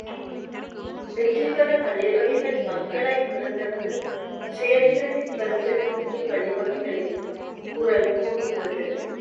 வெற்றிபெற வழி வகைகள் மக்களாய் பிறந்தவர்கள் செயல்திறனைப் பெறுவதற்கு உரிய வழிவகைகளையும் குறள் கூறுகிறது.